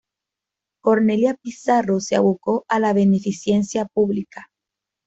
Cornelia Pizarro se abocó a la beneficencia pública.